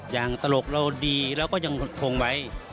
อย่างตลกเราดีเราก็ยังทงไว้